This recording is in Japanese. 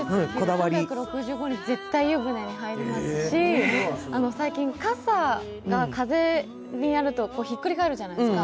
３６５日、絶対入りますし最近、傘が風にやると引っくり返るじゃないですか。